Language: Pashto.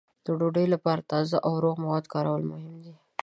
د ډوډۍ لپاره تازه او روغ مواد کارول مهم دي.